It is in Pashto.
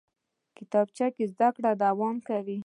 کتابچه کې زده کړه دوام کوي